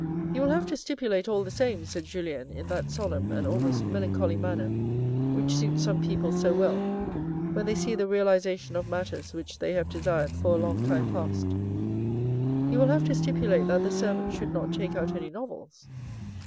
" You will have to stipulate all the same," said Julien in that solemn and almost melancholy manner which suits some people so well when they see the realization of matters which they have desired for a long time past, " you will have to stipulate that the servant should not take out any novels.